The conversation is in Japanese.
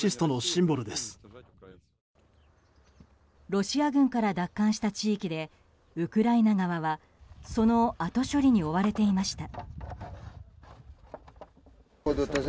ロシア軍から奪還した地域でウクライナ側はその後処理に追われていました。